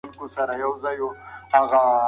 هغه د مکې د فتحې پر ورځ امر وکړ.